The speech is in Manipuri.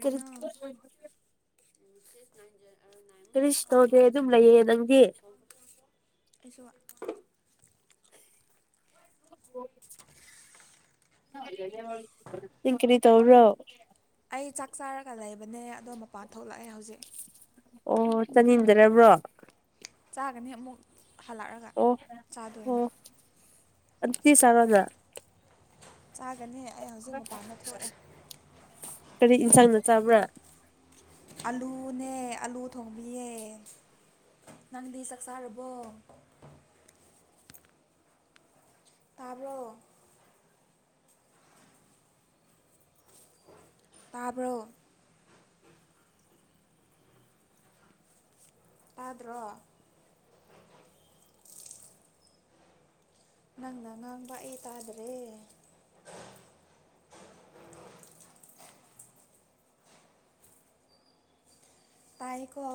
ꯀꯔꯤ꯫ [unintelligible] ꯁꯤꯁ ꯅꯥꯏꯟ ꯖꯔꯣ ꯅꯥꯏꯟ ꯀꯔꯤꯁꯨ ꯇꯧꯗꯦ ꯑꯗꯨꯝ ꯂꯩꯌꯦ ꯅꯪꯗꯤ [unintelligible] ꯑꯩꯁꯨ꯫ [unintelligible] ꯀꯤꯔꯤ ꯇꯧꯕ꯭ꯔꯣ ꯑꯩ ꯆꯥꯛ ꯆꯥꯔꯒ ꯂꯩꯕꯅꯦ ꯑꯗꯣ ꯃꯄꯥꯟ ꯊꯣꯛꯂꯛꯑꯦ ꯍꯧꯖꯤꯛ ꯑꯣ ꯆꯥꯅꯤꯡꯗꯔꯕ꯭ꯔꯣ ꯆꯥꯒꯅꯤ ꯑꯃꯨꯛ ꯍꯜꯂꯛꯔꯒ ꯑꯣ ꯆꯥꯗꯣꯏꯅꯦ ꯑꯗꯤ ꯁꯔꯣꯅ ꯆꯥꯒꯅꯤ ꯑꯩ ꯍꯧꯖꯤꯛ ꯃꯄꯥꯟꯗ ꯊꯣꯛꯑꯦ ꯀꯔꯤ ꯌꯦꯟꯁꯥꯡꯅ ꯆꯥꯕ꯭ꯔꯥ ꯑꯂꯨꯅꯦ ꯑꯂꯨ ꯊꯣꯡꯕꯤꯌꯦ ꯅꯪꯗꯤ ꯆꯥꯛ ꯆꯥꯔꯕꯣ ꯇꯥꯕ꯭ꯔꯣ ꯇꯥꯕ꯭ꯔꯣ ꯇꯥꯗ꯭ꯔꯣ ꯅꯪꯅ ꯉꯥꯡꯕꯥ ꯑꯩ ꯇꯥꯗ꯭ꯔꯦ ꯇꯥꯏꯌꯦꯀꯣ